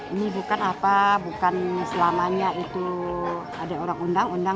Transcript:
ini bukan apa bukan selamanya itu ada orang undang undang